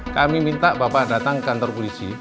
kami minta bapak datang ke kantor polisi